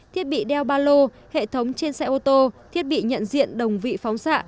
thiết bị đeo ba lô hệ thống trên xe ô tô thiết bị nhận diện đồng vị phóng xạ